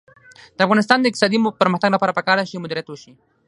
د افغانستان د اقتصادي پرمختګ لپاره پکار ده چې مدیریت وشي.